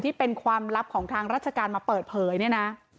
ที่เป็นความลับของทางราชการมาเปิดเผยเนี่ยนะ